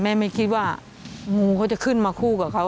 ไม่คิดว่างูเขาจะขึ้นมาคู่กับเขา